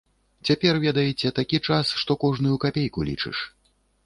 Цяпер, ведаеце, такі час, што кожную капейку лічыш.